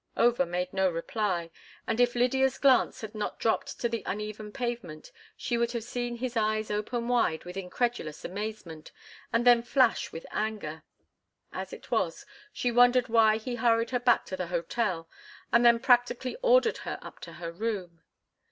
Over made no reply, and if Lydia's glance had not dropped to the uneven pavement, she would have seen his eyes open wide with incredulous amazement and then flash with anger. As it was, she wondered why he hurried her back to the hotel and then practically ordered her up to her room.